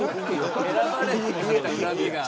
選ばれなかった恨みが。